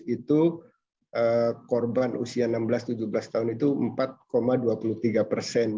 itu korban usia enam belas tujuh belas tahun itu empat dua puluh tiga persen